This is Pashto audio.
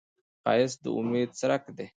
ښایست د امید څرک دی